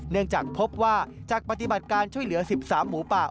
เนื่องจากพบว่าจากปฏิบัติการช่วยเหลือ๑๓หมูป่า